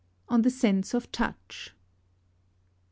OF THE SENSE OP TOUCH. 7.